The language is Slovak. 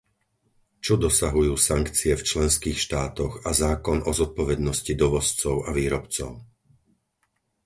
Čo dosahujú sankcie v členských štátoch a zákon o zodpovednosti dovozcov a výrobcov?